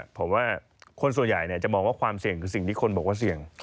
ผมว่าคนส่วนใหญ่จะมองว่าความเสี่ยงคือสิ่งที่คนบอกว่าเสี่ยง